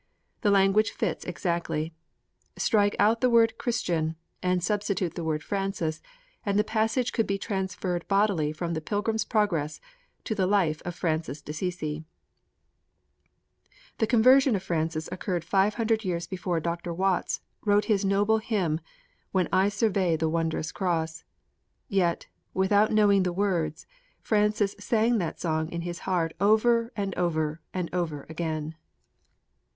The language fits exactly. Strike out the word 'Christian,' and substitute the word 'Francis,' and the passage could be transferred bodily from the Pilgrim's Progress to the Life of Francis d'Assisi. The conversion of Francis occurred five hundred years before Dr. Watts wrote his noble hymn, 'When I survey the wondrous Cross'; yet, without knowing the words, Francis sang that song in his heart over and over and over again.